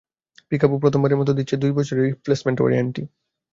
Peekaboo প্রথমবারের মতো দিচ্ছে দুই বছরের রিপ্লেসমেন্ট ওয়ারেন্টি।